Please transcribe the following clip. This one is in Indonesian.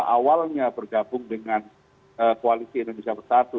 awalnya bergabung dengan koalisi indonesia bersatu